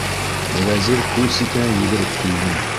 Вәзир күл ситенә йүгереп килде.